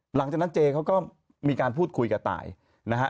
หลังจากนั้นเจเขาก็มีการพูดคุยกับตายนะฮะ